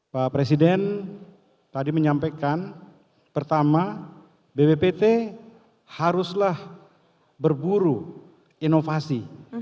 pak presiden tadi menyampaikan pertama bppt haruslah berburu inovasi